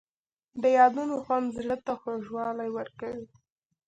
د یادونو خوند زړه ته خوږوالی ورکوي.